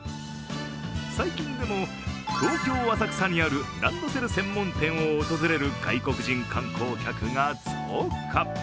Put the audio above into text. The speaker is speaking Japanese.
最近でも、東京・浅草にあるランドセル専門店を訪れる外国人観光客が増加。